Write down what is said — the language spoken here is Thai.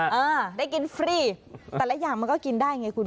เออได้กินฟรีแต่ละอย่างมันก็กินได้ไงคุณ